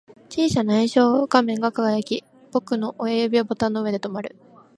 小さな液晶画面が輝き、僕の親指はボタンの上で止まる